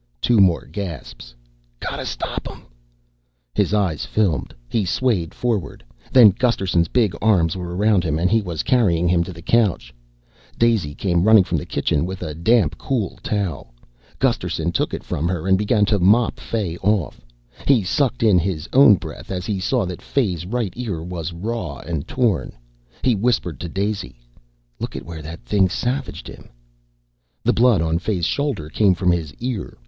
Two more gasps. "Gotta stop 'em." His eyes filmed. He swayed forward. Then Gusterson's big arms were around him and he was carrying him to the couch. Daisy came running from the kitchen with a damp cool towel. Gusterson took it from her and began to mop Fay off. He sucked in his own breath as he saw that Fay's right ear was raw and torn. He whispered to Daisy, "Look at where the thing savaged him." The blood on Fay's shoulder came from his ear.